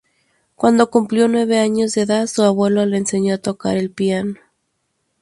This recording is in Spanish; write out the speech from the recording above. Cuando cumplió nueve años de edad, su abuelo le enseñó a tocar el piano.